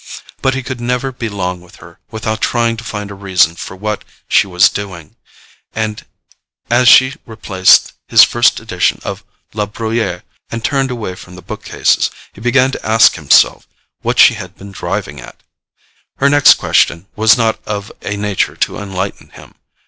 But he could never be long with her without trying to find a reason for what she was doing, and as she replaced his first edition of La Bruyere and turned away from the bookcases, he began to ask himself what she had been driving at. Her next question was not of a nature to enlighten him.